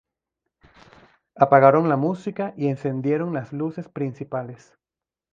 Apagaron la música y encendieron las luces principales.